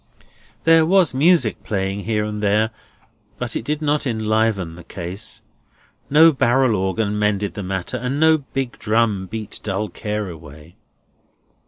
There was music playing here and there, but it did not enliven the case. No barrel organ mended the matter, and no big drum beat dull care away.